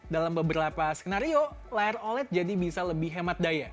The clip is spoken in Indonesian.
dalam beberapa skenario layar oled jadi bisa lebih hemat daya